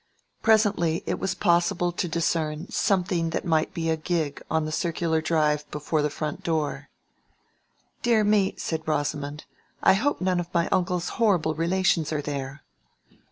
Presently it was possible to discern something that might be a gig on the circular drive before the front door. "Dear me," said Rosamond, "I hope none of my uncle's horrible relations are there."